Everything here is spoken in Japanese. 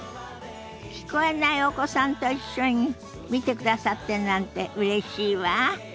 聞こえないお子さんと一緒に見てくださってるなんてうれしいわ。